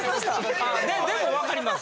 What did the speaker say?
でもわかります。